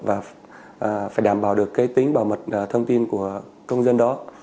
và phải đảm bảo được cái tính bảo mật thông tin của công dân đó